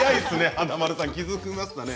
華丸さん気付きましたね。